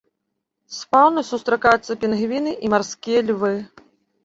З фаўны сустракаюцца пінгвіны і марскія львы.